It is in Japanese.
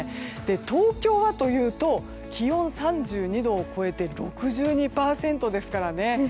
東京はというと気温３２度を超えて６２％ですからね。